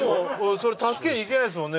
それ助けに行けないですもんね